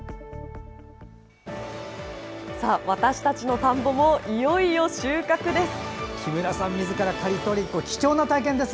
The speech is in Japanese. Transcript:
さあ、私たちの田んぼもいよいよ収穫です。